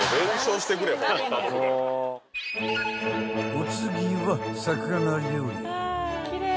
［お次は魚料理］